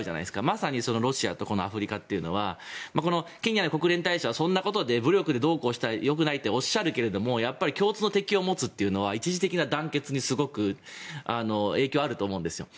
まさにロシアとアフリカっていうのはケニアの国連大使はそんなことで武力でどうこうしたらよくないっておっしゃるけど共通の敵を持つというのは一時的な団結にすごく影響があると思うんですよ。